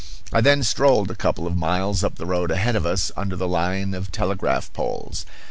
I then strolled a couple of miles up the road ahead of us under the line of telegraph poles.